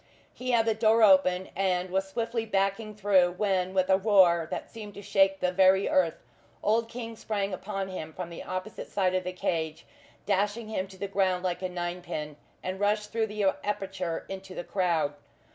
He had the door open, and was swiftly backing through, when, with a roar that seemed to shake the very earth, old King sprang upon him from the opposite side of the cage, dashing him to the ground like a ninepin, and rushed through the aperture into the crowd.